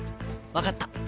分かった。